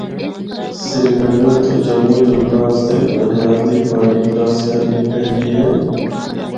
سری نگر تو جموں جلنا آسطے بانہال دی پہاڑی کراس کرنی پیندی اے۔